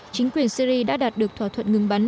chính quyền syri đã đạt được thỏa thuận ngừng bắn